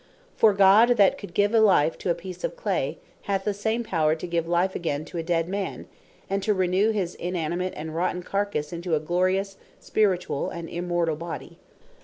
For God, that could give a life to a peece of clay, hath the same power to give life again to a dead man, and renew his inanimate, and rotten Carkasse, into a glorious, spirituall, and immortall Body.